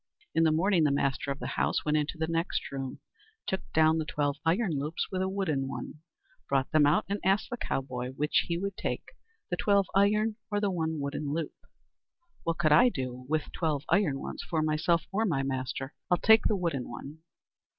In the morning the master of the house went into the next room, took down the twelve iron loops with a wooden one, brought them out, and asked the cowboy which would he take, the twelve iron or the one wooden loop. "What could I do with the twelve iron ones for myself or my master? I'll take the wooden one."